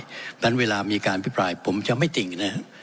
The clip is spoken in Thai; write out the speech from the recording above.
เพราะฉะนั้นเวลามีการพิปรายผมจะไม่ติ่งนะครับ